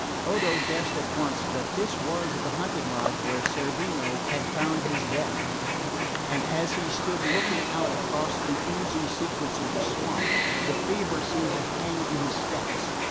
Odo guessed at once that this was the hunting lodge where Cerveno had found his death; and as he stood looking out across the oozy secrets of the marsh, the fever seemed to hang on his steps.